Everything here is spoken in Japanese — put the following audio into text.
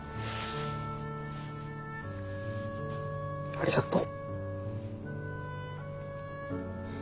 ありがとう。